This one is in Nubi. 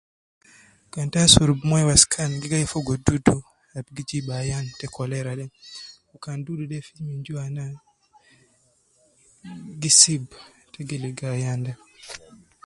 Kan ta asurub moyo waskan gi gai fogo dudu ab gi jib ayan te cholera de, kan dudu de fi min jua na, gi sib te gi ligo ayan de